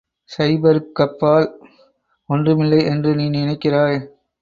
சைபருக்கப்பால் ஒன்றுமில்லை என்று நீ நினைக்கிறாய்.